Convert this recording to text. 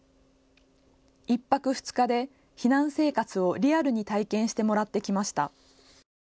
１泊２日で避難生活をリアルに体験してもらってきました。